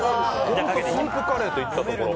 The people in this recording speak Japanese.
スープカレーといったところ。